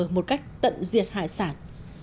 một cách tận diệt hải sản